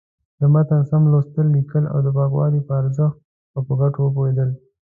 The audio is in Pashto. د متن سم لوستل، ليکل او د پاکوالي په ارزښت او گټو پوهېدل.